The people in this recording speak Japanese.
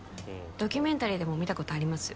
ドキュメンタリーでも見たことあります